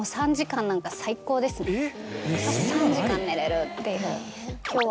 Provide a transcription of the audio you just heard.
３時間寝れるっていう。